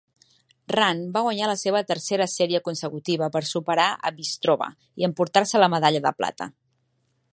Rand va guanyar la seva tercera sèrie consecutiva per superar a Bystrova i emportar-se la medalla de plata.